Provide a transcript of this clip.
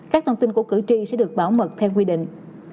các thông tin của cử tri sẽ được bảo mật theo quy định